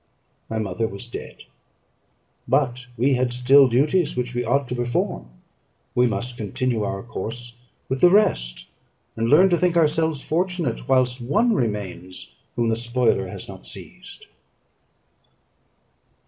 My mother was dead, but we had still duties which we ought to perform; we must continue our course with the rest, and learn to think ourselves fortunate, whilst one remains whom the spoiler has not seized.